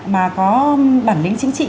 mà có bản lĩnh chính trị